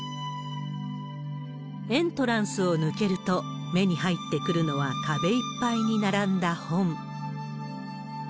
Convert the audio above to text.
エントランスを抜けると、目に入ってくるのは壁いっぱいに並んだ本。